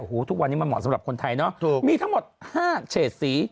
ทุกวันนี้มันเหมาะสำหรับคนไทยเนอะถูกมีทั้งหมด๕เฉดสี